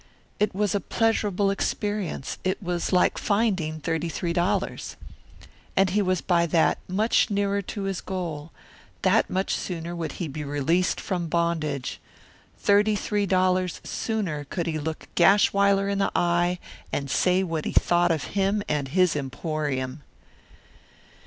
It was a pleasurable experience; it was like finding thirty three dollars. And he was by that much nearer to his goal; that much sooner would he be released from bondage; thirty three dollars sooner could he look Gashwiler in the eye and say what he thought of him and his emporium.